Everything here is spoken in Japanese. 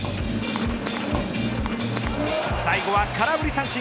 最後は空振り三振。